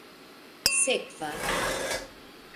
sekva